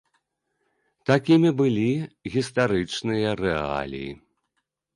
Такімі былі гістарычныя рэаліі.